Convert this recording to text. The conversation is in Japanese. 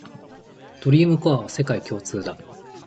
ドリームコアは世界共通だ